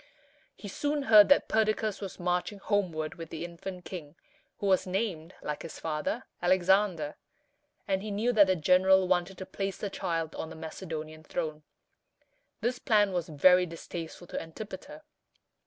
He soon heard that Perdiccas was marching homeward with the infant king, who was named, like his father, Alexander; and he knew that the general wanted to place the child on the Macedonian throne. This plan was very distasteful to Antipater.